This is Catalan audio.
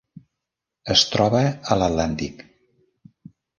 Es troba a l'Atlàntic: